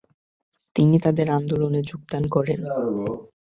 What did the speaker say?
তিনি তাদের আন্দোলনে যোগদান করেন।